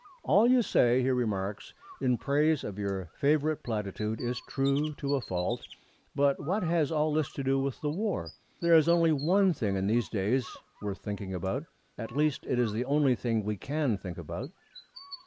'All you say,' he remarks, 'in praise of your favorite platitude is true to a fault. But what has all this to do with the War? There is only one thing in these days worth thinking about at least, it is the only thing we can think about.'